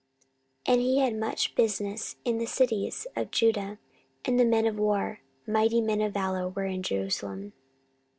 14:017:013 And he had much business in the cities of Judah: and the men of war, mighty men of valour, were in Jerusalem.